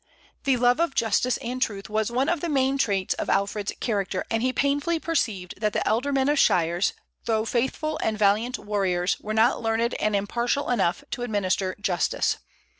The love of justice and truth was one of the main traits of Alfred's character, and he painfully perceived that the ealdormen of shires, though faithful and valiant warriors, were not learned and impartial enough to administer justice.